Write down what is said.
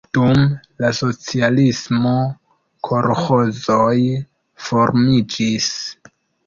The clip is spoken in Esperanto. Dum la socialismo kolĥozoj formiĝis.